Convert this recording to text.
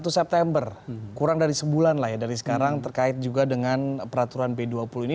satu september kurang dari sebulan lah ya dari sekarang terkait juga dengan peraturan b dua puluh ini